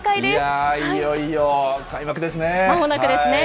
いよいよ開幕ですね。